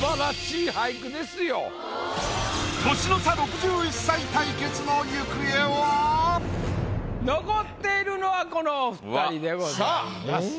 年の差６１歳対決の行方は⁉残っているのはこのお二人でございます。